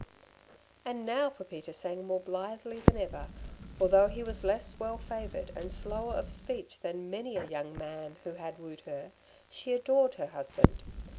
And now Pepita sang more blithely than ever, for though he was less well favoured, and slower of speech than many a young man who had wooed her, she adored her husband.